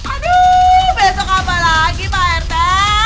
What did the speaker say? aduh besok apa lagi pak erta